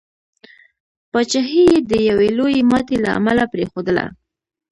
پاچهي یې د یوي لويي ماتي له امله پرېښودله.